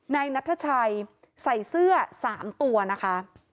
นายนัทชัยใส่เสื้อ๓ตัวนะคะ